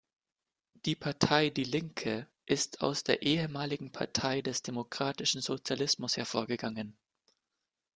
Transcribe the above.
Die Partei die Linke ist aus der ehemaligen Partei des Demokratischen Sozialismus hervorgegangen.